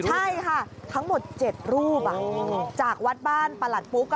ใช่ค่ะทั้งหมดเจ็ดรูปอ่ะจากวัดบ้านตกจากประหลักปุ๊ก